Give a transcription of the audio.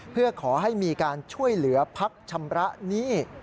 เพื่อขอให้มีการช่วยเหลือพักชำระหนี้